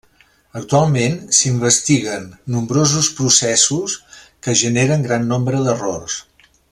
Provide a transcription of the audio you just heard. Actualment, s'investiguen nombrosos processos que generen gran nombre d'errors.